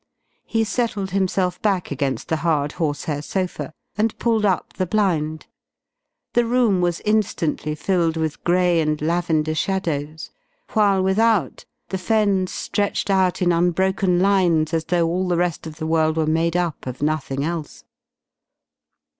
He settled himself back against the hard, horsehair sofa, and pulled up the blind. The room was instantly filled with gray and lavender shadows, while without the Fens stretched out in unbroken lines as though all the rest of the world were made up of nothing else.